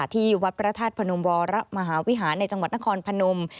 ที่วัดพระธาตุพนมวรมหาวิหารในจังหวัดนครพนม